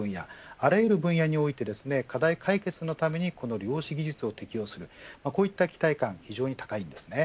あらゆる分野において課題解決のためにこの量子技術を適用するこういった期待感が非常に高いです。